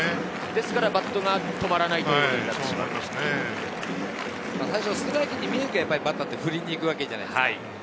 ですからバットが止まら最初ストライクに見えるとバッターは振りに行くわけじゃないですか。